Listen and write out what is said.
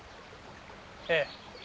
ええ。